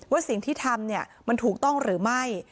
ว่าสิ่งที่ทำมันถูกต้องหรือไม่